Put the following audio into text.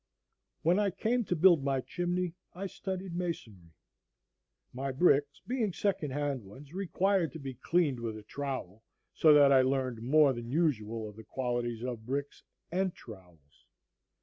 When I came to build my chimney I studied masonry. My bricks being second hand ones required to be cleaned with a trowel, so that I learned more than usual of the qualities of bricks and trowels.